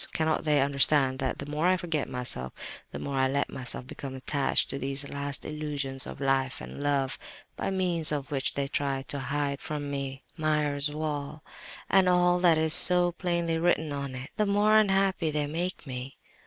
Cannot they understand that the more I forget myself, the more I let myself become attached to these last illusions of life and love, by means of which they try to hide from me Meyer's wall, and all that is so plainly written on it—the more unhappy they make me?